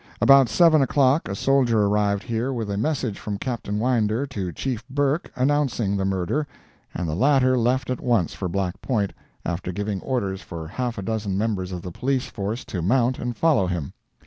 About seven o'clock a soldier arrived here with a message from Capt. Winder to Chief Burke, announcing the murder, and the latter left at once for Black Point, after giving orders for half a dozen members of the Police force to mount and follow him.